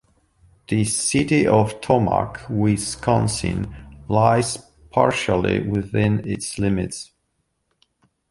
The city of Tomah, Wisconsin lies partially within its limits.